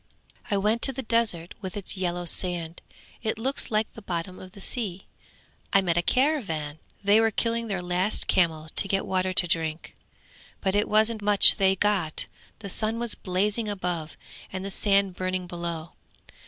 I went to the desert with its yellow sand. It looks like the bottom of the sea. I met a caravan! They were killing their last camel to get water to drink, but it wasn't much they got. The sun was blazing above, and the sand burning below.